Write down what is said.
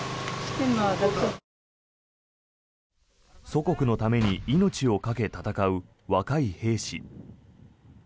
祖国のために命をかけ戦う若い兵士。